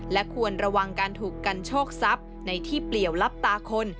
และควรระวังการถูกกันโชคทรัพย์ในที่เปลี่ยวลับตาคน